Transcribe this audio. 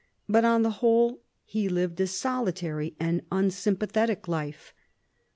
But on the whole he lived a solitary and unsympathetic life.